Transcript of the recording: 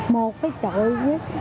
một phải chậu